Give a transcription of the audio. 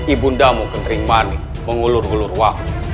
ibu ndamu kenterimani mengulur ulur wangmu